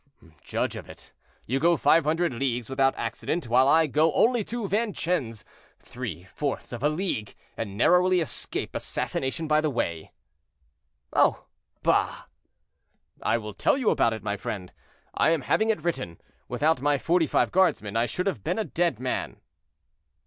"Judge of it. You go 500 leagues without accident, while I go only to Vincennes, three fourths of a league, and narrowly escape assassination by the way." "Oh! bah!" "I will tell you about it, my friend; I am having it written. Without my Forty five guardsmen I should have been a dead man."